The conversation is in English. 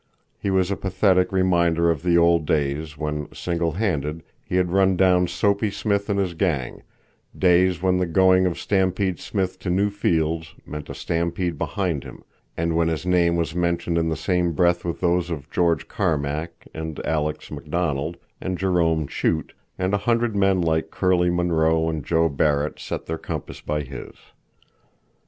He was a pathetic reminder of the old days when, single handed, he had run down Soapy Smith and his gang—days when the going of Stampede Smith to new fields meant a stampede behind him, and when his name was mentioned in the same breath with those of George Carmack, and Alex McDonald, and Jerome Chute, and a hundred men like Curley Monroe and Joe Barret set their compasses by his.